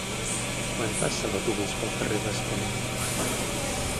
Quan passa l'autobús pel carrer Bascònia?